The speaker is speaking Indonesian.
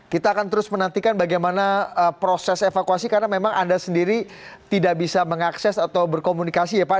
kita akan terus menantikan bagaimana proses evakuasi karena memang anda sendiri tidak bisa mengakses atau berkomunikasi ya pak